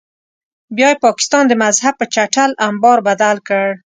بیا یې پاکستان د مذهب په چټل امبار بدل کړ.